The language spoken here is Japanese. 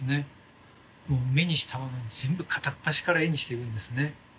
もう目にしたものを全部片っ端から絵にしていくんですね。